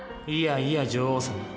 いやいや女王様。